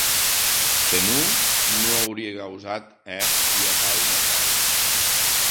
Se non, non aurie gausat hèr ua causa atau.